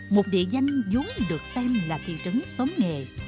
một địa danh vốn được xem là thị trấn xóm nghề